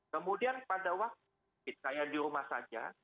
kemudian pada waktu saya di rumah saja